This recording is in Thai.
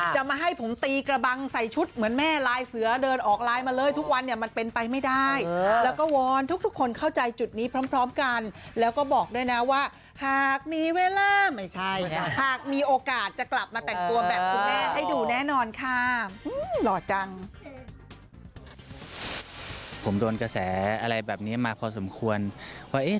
จะมาให้ผมตีกระบังใส่ชุดเหมือนแม่ลายเสือเดินออกไลน์มาเลยทุกวันเนี่ยมันเป็นไปไม่ได้แล้วก็วอนทุกคนเข้าใจจุดนี้พร้อมกันแล้วก็บอกด้วยนะว่าหากมีเวลาไม่ใช่หากมีโอกาสจะกลับมาแต่งตัวแบบคุณแม่ให้ดูแน่นอนค่ะหล่อจัง